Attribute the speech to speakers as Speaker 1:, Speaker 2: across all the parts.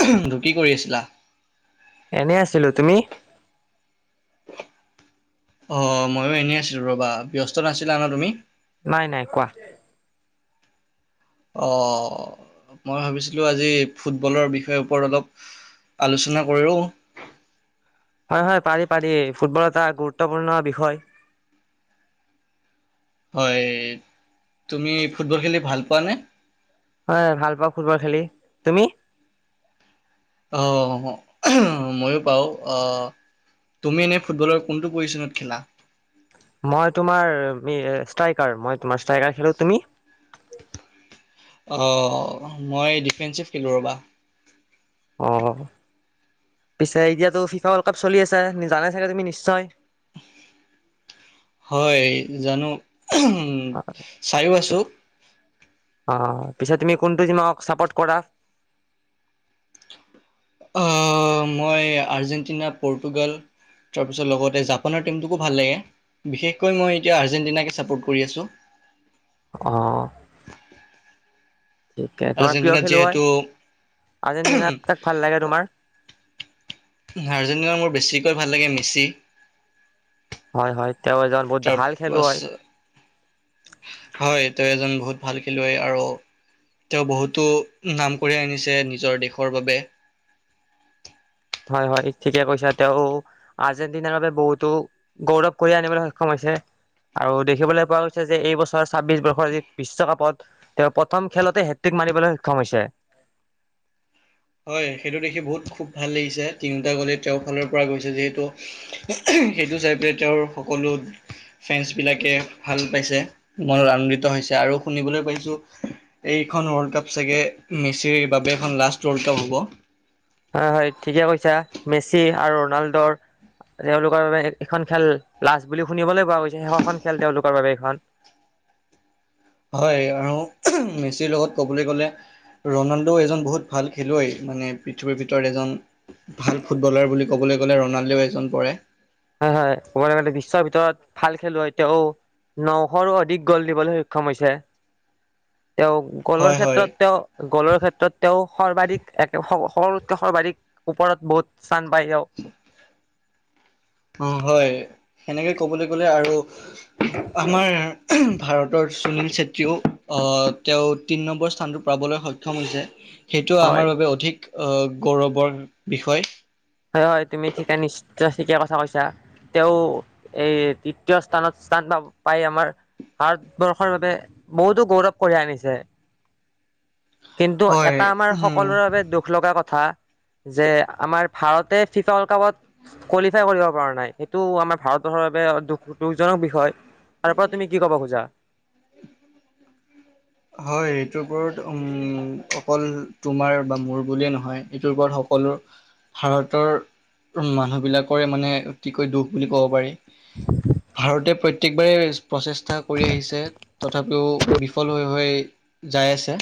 Speaker 1: ত কি কৰি আছিলা?
Speaker 2: এনে আছিলো, তুমি?
Speaker 1: অ ময়ো এনেই আছিলো ৰবা, ব্যস্ত নাছিলা ন তুমি।
Speaker 2: নাই নাই কোৱা
Speaker 1: অ মই ভাবিছিলোঁ আজি ফুটবলৰ বিষয়ে ওপৰত অলপ আলোচনা কৰো।
Speaker 2: হয় হয় পাৰি পাৰি ফুটবল এটা গুৰুত্বপূৰ্ণ বিষয়।
Speaker 1: হয়, তুমি ফুটবল খেলি ভাল পোৱানে?
Speaker 2: হয় ভাল পাওঁ ফুটবল খেলি। তুমি?
Speaker 1: অ ময়ো পাওঁ অ তুমি এনে ফুটবলৰ কোনটো পজিচনত খেলা।
Speaker 2: মই তোমাৰ মি ষ্ট্ৰাইকাৰ মই তোমাৰ ষ্ট্ৰাইকাৰ খেলো। তুমি?
Speaker 1: অ মই ডিফেঞ্চিভ খেলোঁ ৰ'বা।
Speaker 2: অ পিছে এতিয়াতো ফিফা ৱৰ্ল্ড কাপ চলি আছে জানে চাগে তুমি নিশ্চয়।
Speaker 1: হয় জানো। চাইও আছোঁ।
Speaker 2: অ পিছে তুমি কোনটো তোমাক চাপৰ্ট কৰা।
Speaker 1: মই আৰ্জেণ্টিনা, পৰ্টুগাল, তাৰপিছত লগতে জাপানৰ টীমটোকো ভাল লাগে বিশেষকৈ মই এতিয়া আৰ্জেণ্টিনাকে ছাপোৰ্ট কৰি আছোঁ।
Speaker 2: অ। ঠিকে তোমাৰ প্ৰিয়
Speaker 1: আৰ্জেণ্টিনাত
Speaker 2: খেলুৱৈ,
Speaker 1: যিহেতু
Speaker 2: আৰ্জেণ্টিনাৰ কাক ভাল লাগে তোমাৰ?
Speaker 1: আৰ্জেণ্টিনাৰ মোৰ বেছিকৈ ভাল লাগে মেচি।
Speaker 2: হয় হয় তেওঁ এজন বহুত ভাল খেলুৱৈ
Speaker 1: তাৰপাছ
Speaker 2: হয়।
Speaker 1: হয় তেওঁ এজন বহুত ভাল খেলুৱৈ আৰু তেওঁ বহুতো নাম কঢ়িয়াই আনিছে নিজৰ দেশৰ বাবে।
Speaker 2: হয় হয় ঠিকে কৈছে তেওঁ আৰ্জেণ্টিনাৰ বাবে বহুতো গৌৰৱ কঢ়িয়াই আনিবলৈ সক্ষম হৈছে আৰু দেখিবলৈ পোৱা গৈছে যে এই বছৰ ছাব্বিশ বৰ্ষৰ যি বিশ্বকাপত তেওঁ প্ৰথম খেলতে হেট্ৰিক মানিবলৈ সক্ষম হৈছে।
Speaker 1: হয় সেইটো দেখি বহুত খুব ভাল লাগিছে তিনিওটা গ'লেই তেওঁৰ ফালৰ পৰা গৈছে যিহেতু সেইটো চাই পেলাই তেওঁৰ সকলো ফেন্সবিলাকে ভাল পাইছে মনত আনন্দিত হৈছে আৰু শুনিবলৈ পাইছোঁ এইখন ৱৰ্ল্ড কাপ চাগে মেচিৰ বাবে এখন লাষ্ট। ৱল্ড কাপ হ'ব।
Speaker 2: হয় হয় ঠিকে কৈছা মেচি আৰু ৰনাল্ডৰ তেওঁলোকৰ বাবে এখন খেল লাষ্ট বুলি শুনিবলৈ পোৱা গৈছে শেষৰখন খেল তেওঁলোকৰ বাবে এইখন।
Speaker 1: হয় আৰু মেচিৰ লগত ক'বলৈ গ'লে ৰণাল্ডো এজন বহুত ভাল খেলুৱৈ, মানে পৃথিৱীৰ ভিতৰত এজন ভাল ফুটবলাৰ বুলি ক'বলৈ গ'লে ৰনাল্ডো এজন পৰে।
Speaker 2: হয় হয় বিশ্বৰ ভিতৰত ভাল খেলুৱৈ তেওঁ নশৰো অধিক গ'ল দিবলৈ সক্ষম হৈছে। তেওঁ গলৰ
Speaker 1: হয় হয়
Speaker 2: ক্ষেত্ৰত তেওঁ গলৰ ক্ষেত্ৰত তেওঁ সৰ্বাধিক এক সকলোতকে সৰ্বাধিক ওপৰত বহুত স্হান পাই যাও।
Speaker 1: অ হয় সেনেকে ক'বলৈ গ'লে আৰু আমাৰ ভাৰতৰ সুনীল চেত্ৰীয়েও তেওঁ তিনি নম্বৰ স্থানটো পাবলৈ সক্ষম হৈছে সেইটো
Speaker 2: হয়
Speaker 1: আমাৰ বাবে অধিক অ' গৌৰৱৰ বিষয়
Speaker 2: হয় হয় তুমি ঠিকা নিশ্চয় ঠিকেই কথা কৈছা তেওঁ এই তৃতীয় স্থানত স্থান পাই আমাৰ ভাৰতবৰ্ষৰ বাবে বহুতো গৌৰৱ কঢ়িয়াই আনিছে কিন্তু এটা আমাৰ
Speaker 1: হয়।
Speaker 2: সকলোৰে বাবে দুখ লগা কথা যে আমাৰ ভাৰতে ফিফা ৱৰ্ল্ড কাপত কোৱালিফাই কৰিব পৰা নাই সেইটো আমাৰ ভাৰতবৰ্ষৰ বাবে দুখ দুখজনক বিষয় তাৰ ওপৰত তুমি কি কব খোজা
Speaker 1: হয় এইটোৰ ওপৰত উম অকল তোমাৰ বা মোৰ বুলিয়ে নহয় এইটোৰ ওপৰত সকলো ভাৰতৰ মানুহবিলাকৰে মানে অতিকৈ দুখ বুলি ক'ব পাৰি ভাৰতে প্ৰত্যেকবাৰেেই প্ৰচেষ্টা কৰি আহিছে তথাপিও বিফল হৈ হৈ যাই আছে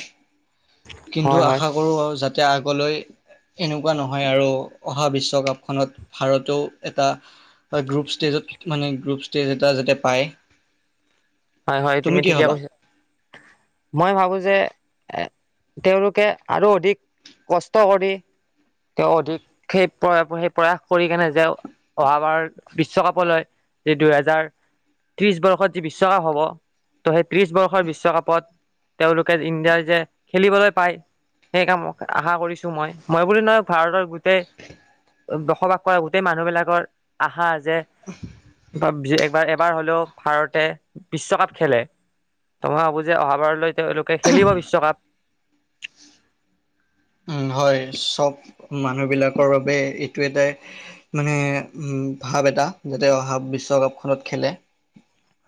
Speaker 1: কিন্তু
Speaker 2: হয় হয়
Speaker 1: আশা কৰো আৰু যাতে যাতে আগলৈ এনেকুৱা নহয় আৰু অহা বিশ্বকাপখনত ভাৰতেও এটা গ্ৰুপ ষ্টেজত মানে গ্ৰুপ ষ্টেজ এটা যাতে পায়
Speaker 2: হয় হয় তুমি
Speaker 1: কি
Speaker 2: ঠিকে
Speaker 1: ভাবা?
Speaker 2: কৈছা মই ভাবো যে এ তেওঁলোকে আৰু অধিক কষ্ট কৰি তেওঁ অধিক সেই প্ৰ সেই প্ৰয়াস কৰি কেনে যে অহাবাৰ বিশ্বকাপলৈ যি দুহেজাৰ ত্ৰিশ বৰ্ষত যি বিশ্ব বিশ্বকাপ হ'ব ত' সেই ত্ৰিশ বৰ্ষৰ বিশ্বকাপত তেওঁলোকে ইণ্ডিয়াৰ যে খেলিবলৈ পায় সেই কাম আশা কৰিছো মই মই বুলি নয় ভাৰতৰ [unintelligible] বসবাস কৰা গোটেই মানুহ বিলাকৰ আশা [unintelligible] এবাৰ হ'লেও ভাৰতে বিশ্বকাপ খেলে ত মই ভাবো যে অহাবাৰলৈ তেওঁলোকে খেলিব বিশ্বকাপ
Speaker 1: উম হয় চব মানুহবিলাকৰ বাবে এইটো এটা মানে উ ভাৱ এটা যাতে অহা বিশ্বকাপখনত খেলে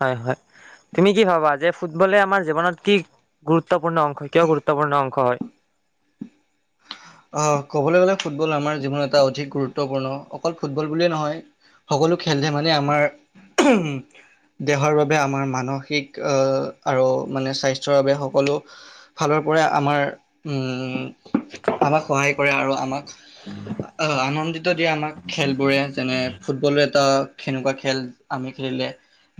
Speaker 2: হয় হয় তুমি কি ভাবা যে ফুটবলে আমাৰ জৱনত কি গুৰুত্ব গুৰুত্বপূৰ্ণ অংশ কিয় গুৰুত্বপূণ অংশ হয়
Speaker 1: আহ কবলৈ গলে ফুটবল আমাৰ জীৱনত এটা অধিক গুৰুত্বপূৰ্ণ অকল ফুটবল বুলিয়ে নহয় সকলো খেল ধেমালীয়ে মানে আমাৰ উ দেহৰ বাবে আমাৰ মানসিক আহ আৰু মানে স্বাস্থ্যৰ বাবে সকলো ফালৰ পৰা আমাৰ উম আমাক সহায় কৰে আৰু আমাক অ' আনন্দিত দিয়ে আমাক খেল বোৰে তেনে ফুটবলো এটা সেনেকুৱা খেল আমি খেলিলে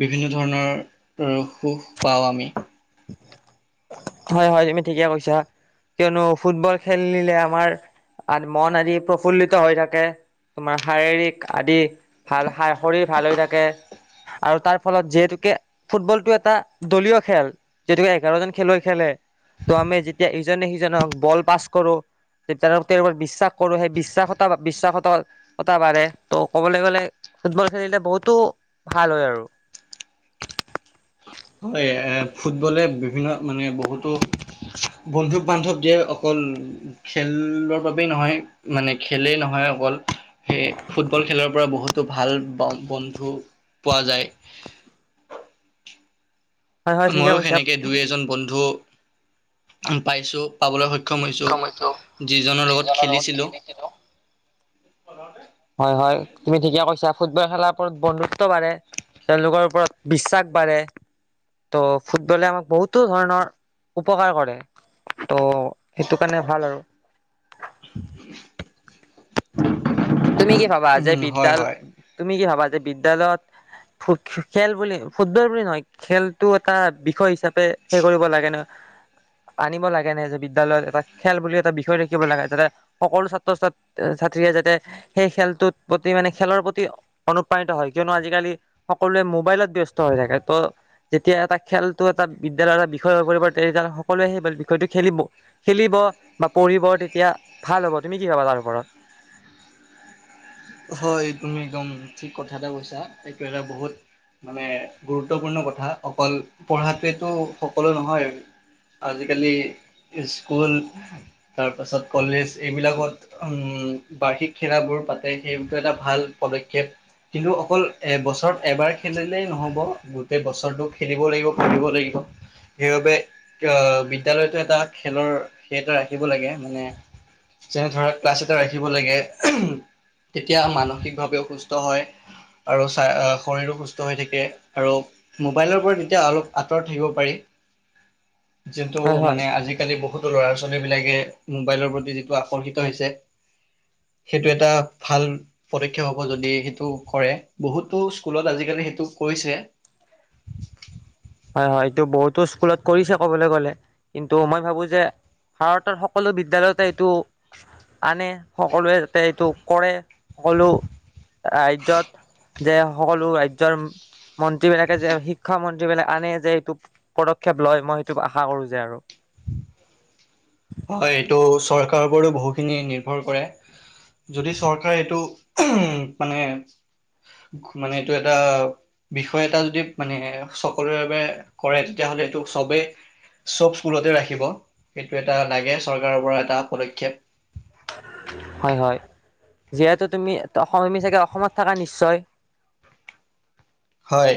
Speaker 1: বিভিন্ন ধৰণৰ সুখ পাওঁ আমি
Speaker 2: হয় হয় তুমি ঠিকে কৈছা কিয়নো ফুটবল খেলিলে আমাৰ মন আদি প্ৰফুল্লিত হৈ থাকে তোমাৰ শাৰীৰিক আদি ভাল শৰীৰ ভাল হৈ থাকে আৰু তাৰ ফলত যিহেতুকে ফুটবল টো এটা দলীয় খেল যিহেতুকে এঘাৰজন খেলুৱৈ খেলে ত' আমি যেতিয়া ইজনে সিজনক বল পাছ কৰো তেওঁ তেওঁৰ বিশ্বাস কৰো সেই বিশ্বাসতা বিশ্বাসত কটা বাঢ়ে ত' ক'বলৈ গলে ফুটবল খেলিলে বহুতো ভাল হয় আৰু
Speaker 1: হয় এ ফুটবলে বিভিন্ন মানে বহুতো বন্ধুক বান্ধৱ দিয়ে অকল খেলৰ বাবেই নহয় মানে খেলেই নহয় অকল সেই ফুটবল খেলৰ পৰা বহুতো ভাল বন্ধু পোৱা যায়
Speaker 2: হয় হয় ঠিকে
Speaker 1: ময়ো
Speaker 2: কৈছা
Speaker 1: সেনেকে দুই এজন বন্ধু ভাল পাইছো পাবলৈ সক্ষম সক্ষম হৈছো যিজনৰ লগত খেলিছিলো
Speaker 2: হয়-হয় তুমি ঠিকে কৈছা। ফুটবল খেলাৰ ওপৰত বন্ধুত্ব বাঢ়ে, তেওঁলোকৰ ওপৰত বিশ্বাস বাঢ়ে, ত' ফুটবলে আমাক বহুতো ধৰণৰ উপকাৰ কৰে ত' সেইটো কাৰণে ভাল আৰু তুমি কি ভাবা যে
Speaker 1: উম হয়
Speaker 2: বিদ্যাল
Speaker 1: হয়
Speaker 2: তুমি কি ভাবা বিদ্যায়ালয়ত খেল বুলি ফুটবল বুলি নহয় খেলটো এটা বিষয় হিচাপে ত' সেই কৰিব লাগে নহয়। আনিব লাগে নাই যে বিদ্যালয়ত এটা খেল বুলি এটা বিষয় ৰাখিব লাগে, যাতে সকলো ছাত্ৰ-ছাত্ৰী, ছাত্ৰীয়ে যাতে সেই খেলটোত প্ৰতি মানে খেলৰ প্ৰতি অনুপ্ৰাণিত হয়, কিয়নো আজিকালি সকলোৱে মোবাইলত ব্যস্ত হৈ থাকে, তো যেতিয়া এটা খেলটো এটা বিদ্যালয়ৰ এটা বিষয় হৈ পৰিব, তেতিয়াহে সকলোৱে সেই বিষয়টো খেলিব খেলিব বা পঢ়িব তেতিয়া ভাল হ'ব, তুমি কি ভাবা তাৰ ওপৰত?
Speaker 1: হয়, তুমি একদম ঠিক কথা এটা কৈছা, এইটো এটা বহুত মানে গুৰুত্বপূৰ্ণ কথা অকল পঢ়াটোৱেতো সকলো নহয়। আজিকালি স্কুল তাৰপাছত কলেজ এইবিলাকত বাৰ্ষিক খেলাবোৰ পাতে সেইটো এটা ভাল পদক্ষেপ কিন্তু অকল এ বছৰত এবাৰ খেলিলেই নহ'ব, গোটেই বছৰটো খেলিব লাগিব, ফুৰিব লাগিব। সেইবাবে বিদ্যালয়তো এটা খেলৰ সেই এটা ৰাখিব লাগে মানে যেনে ধৰা ক্লাছ এটা ৰাখিব লাগে। তেতিয়া মানসিকভাৱেও সুস্থ হয় আৰু শৰীৰো সুস্থ হৈ থাকে আৰু মোবাইলৰ পৰা তেতিয়া অলপ আঁতৰত থাকিব পাৰি। যিটো
Speaker 2: হয় হয়
Speaker 1: মানে আজিকালি বহুত ল'ৰা-ছোৱালী বিলাকে মোবাইলৰ প্ৰতি যিটো আকৰ্ষিত হৈছে সেইটো এটা ভাল পদক্ষেপ হ'ব যদি সেইটো কৰে বহুতো স্কুলত আজিকালি সেইটো কৰিছে।
Speaker 2: হয়-হয় এইটো বহুতো স্কুলত কৰিছে ক'বলৈ গলে কিন্তু মই ভাবো যে ভাৰতৰ সকলো বিদ্যালয়তে এইটো আন, সকলোৱে যাতে এইটো কৰে, সকলো ৰাজ্যত যে সকলো ৰাজ্যৰ মন্ত্ৰী বিলাকে যে শিক্ষা মন্ত্ৰী বিলাকে আনে যে এইটো পদক্ষেপ লয় মই সেইটো আশা কৰো যে আৰু
Speaker 1: হয়, এইটো চৰকাৰ চৰকাৰ ওপৰত বহুখিনি নিৰ্ভৰ কৰে যদি চৰকাৰে এইটো উ মানে, মানে এইটো এটা বিষয় এটা যদি মানে সকলোৰে বাবে কৰে, তেতিয়াহ'লে এইটো চবেই চব পুলতে ৰাখিব সেইটো এটা লাগে চৰকাৰৰ পৰা এটা পদক্ষেপ
Speaker 2: হয়-হয় যিহেতু তুমি অসমমি চাগে অসমত থাকা নিশ্চয়
Speaker 1: হয়।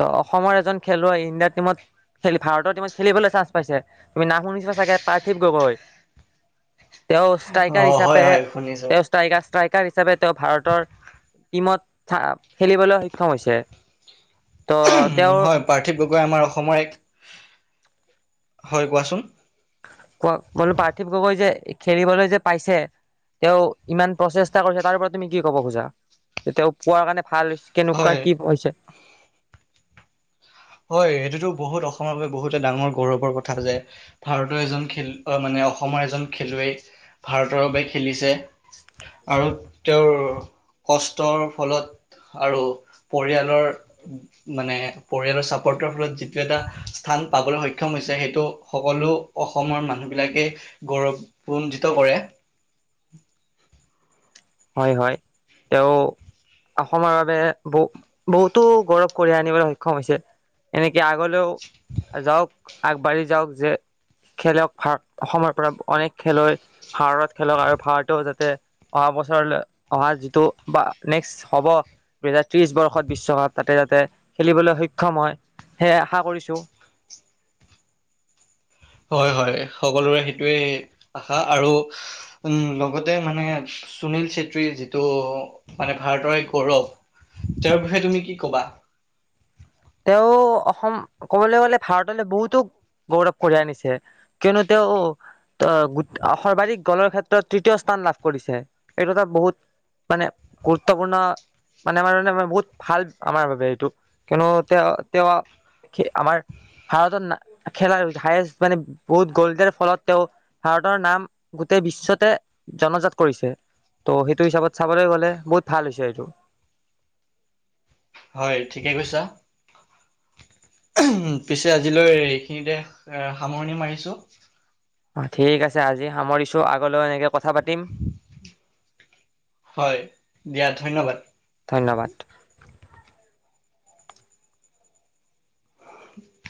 Speaker 2: ত' অসমৰ এজন খেলুৱৈ ইণ্ডিয়াৰ টিমত খেলিব, ভাৰতৰ টিমত খেলিবলৈ চান্স পাইছে তুমি নাম শুনিছা চাগে পাৰ্থিৱ গগৈ তেওঁ
Speaker 1: অ
Speaker 2: ষ্ট্ৰাইকাৰ
Speaker 1: হয়
Speaker 2: হিচাপে
Speaker 1: হয় শুনিছো
Speaker 2: তেওঁ ষ্ট্ৰাইকাৰ ষ্ট্ৰাই ষ্ট্ৰাইকাৰ হিচাপে তেওঁ ভাৰতৰ টিমত খেলিবলৈ সক্ষম হৈছে। ত' তেওঁৰ
Speaker 1: হয় পাৰ্থিৱ গগৈ গৈ আমাৰ অসমৰ এক হয় কোৱাচোন
Speaker 2: কোৱা কোৱা পাৰ্থিৱ গগৈ যে খেলিবলৈ যে পাইছে তেওঁ ইমান প্ৰচেষ্টা কৰিছে, তাৰ পৰা তুমি কি ক'ব খোজা যে তেওঁ পোৱাৰ কাৰণে ভাল কেনেকুৱা
Speaker 1: হয়
Speaker 2: কি হৈছে?
Speaker 1: হয়, এইটোতো বহুত অসমৰ বাবে বহুতে ডাঙৰ গৌৰৱৰ কথা যে, ভাৰতৰ এজন খেল মানে অসমৰ এজন খেলুৱৈ ভাৰতৰ বাবে খেলিছে আৰু তেওঁৰ কষ্টৰ ফলত আৰু পৰিয়ালৰ মানে পৰিয়ালৰ চা আৰৰ ফলত যিটো এটা স্থান পাবলৈ সক্ষম হৈছে সেইটো সকলো অসমৰ মানুহবিলাকেই গৌৰৱানজিত কৰে।
Speaker 2: হয়-হয়, তেওঁ অসমৰ বাবে বহু বহুতো গৰম কঢ়িয়াই আনিবলৈ সক্ষম হৈছে এনে কে আগলৈও যাওঁক আগবাঢ়ি যাওঁক যে খেলক ভাগ অসমৰ পৰা অনেক খেলুৱৈ ভাৰতত খেলক আৰু ভাৰতেও যাতে অহা ব ছৰলৈ অহা যিটো বা নেক্স হ'ব দুহেজাৰ ত্ৰিশ বৰ্ষত বিশ্বকাপ তাতে যাতে খেলিবলৈ সক্ষম হয় সেয়েহে আশা কৰিছো
Speaker 1: হয়-হয়, সকলোৰে সেইটোৱে আশা আৰু উম লগতে মানে সুনীল চেত্ৰীৰ যিটো মানে ভাৰতৰে গৌৰৱ তেওঁৰ বিষয়ে তুমি কি কবা?
Speaker 2: তেওঁ অসম ক'বলৈ গলে ভাৰতলৈ বহুতো গৌৰৱ কঢ়িয়াই আনিছে, কিয়নো তেওঁ আহ গোত সৰ্বাধিক গোলৰ ক্ষেত্ৰত তৃতীয় স্থান লাভ কৰিছে এইটো এটা বহুত মানে গুৰুত্বপূৰ্ণ মানে আমাৰ কাৰণে বহুত ভাল আমাৰ বাবে এইটো কিয়নো তেওঁ তেওঁ খে আমাৰ ভাৰতৰ না খেলাৰ হায়েষ্ট মানে বহুত গোলৰ ফলত তেওঁ ভাৰতৰ নাম গোটেই বিশ্বতে জনজাত কৰিছে, ত' সেইটো হিচাপত চাবলৈ গ'লে বহুত ভাল হৈছে এইটো
Speaker 1: হয় ঠিকে কৈছা। উ পিছে আজিলৈ এইখিনিতে সামৰণি মাৰিছো
Speaker 2: অ ঠিক আছে আজি সামৰিছো আগলৈ এনেকে কথা পাতিম,
Speaker 1: হয় দিয়া ধন্যবাদ
Speaker 2: ধন্যবাদ।
Speaker 1: [inaudible]